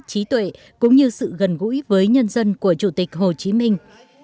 trí tuệ cũng như sự gần gũi với nhân dân của chủ tịch hồ chí minh